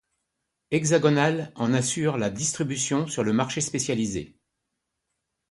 Hexagonal en assure la distribution sur le marché spécialisé.